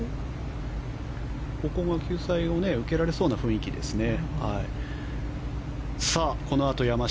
ここは救済を受けられそうな雰囲気ですね。